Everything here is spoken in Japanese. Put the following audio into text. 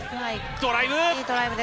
ドライブ！